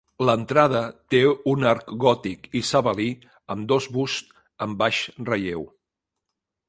L'entrada té un arc gòtic isabelí amb dos busts en baix relleu.